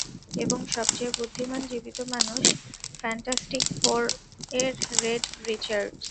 এবং সবচেয়ে বুদ্ধিমান জীবিত মানুষ, ফ্যান্টাস্টিক ফোর এর রেড রিচার্ডস।